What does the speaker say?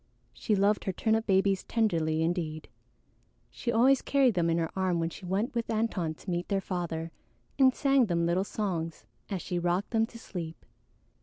She loved her turnip babies tenderly indeed; she always carried them in her arm when she went with Antone to meet their father and sang them little songs as she rocked them to sleep.